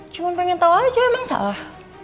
cuma pengen tahu aja emang salah